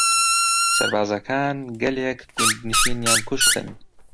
سەربازەکان گەلێک گوندنشینیان کوشتن.